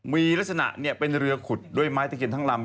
มีลักษณะเป็นเรือขุดด้วยไม้ตะเคียนทั้งลำ